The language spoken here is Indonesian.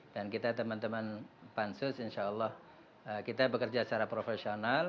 dan kita teman teman pansus insya allah kita bekerja secara profesional